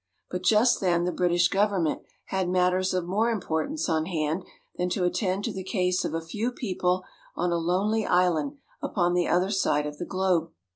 But just then the British Government had matters of more importance on hand than to attend to the case of a few people on a lonely island upon the other side of the globe.